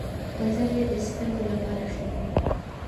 ګازرې د سترګو لپاره ښې دي